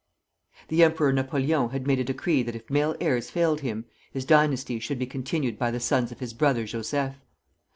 The Emperor Napoleon had made a decree that if male heirs failed him, his dynasty should be continued by the sons of his brother Joseph.